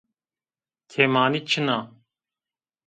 Kêmanî çin a